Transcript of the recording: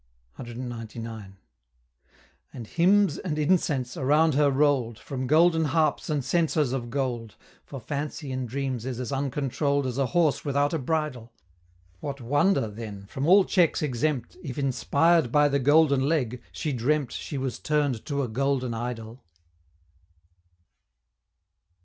CXCIX. And hymns and incense around her roll'd, From Golden Harps and Censers of Gold, For Fancy in dreams is as uncontroll'd As a horse without a bridle: What wonder, then, from all checks exempt, If, inspired by the Golden Leg, she dreamt She was turn'd to a Golden Idol?